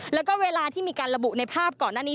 แล้วก็เวลาที่มีการระบุในภาพก่อนหน้านี้